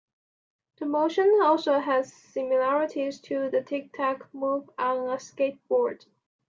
The motion also has similarities to the tic-tac move on a skateboard.